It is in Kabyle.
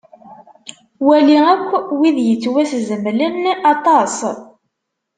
Wali akk wid yettwaszemlen aṭas.